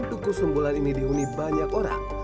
tuku sumbulan ini dihuni banyak orang